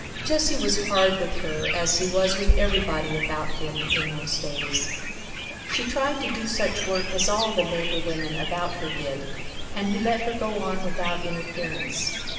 Jesse was hard with her as he was with everybody about him in those days. She tried to do such work as all the neighbor women about her did and he let her go on without interference.